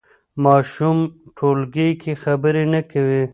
ماشوم ټولګي کې خبرې نه کوي.